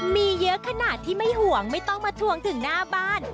มีเยอะขนาดที่ไม่ห่วงไม่ต้องมาทวงถึงหน้าบ้าน